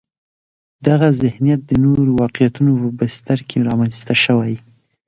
دغه ذهنیت د نورو واقعیتونو په بستر کې رامنځته شوی.